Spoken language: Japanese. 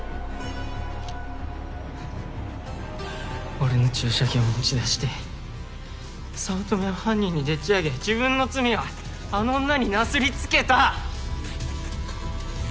俺の注射器を持ち出して早乙女を犯人にでっちあげ自分の罪はあの女になすりつけた！